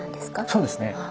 そうですね。